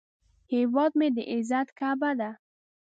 هیواد مې د عزت کعبه ده